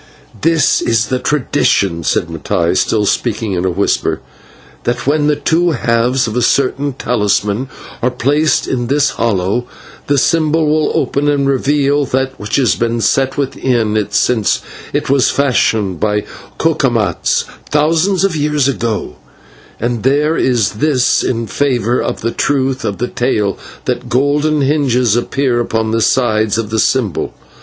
"This is the tradition," said Mattai, still speaking in a whisper, "that when the two halves of a certain talisman are placed in this hollow, the symbol will open and reveal that which has been set within it since it was fashioned by Cucumatz thousands of years ago, and there is this in favour of the truth of the tale that golden hinges appear upon the sides of the symbol.